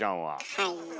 はい。